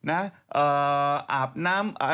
อาบน้ำ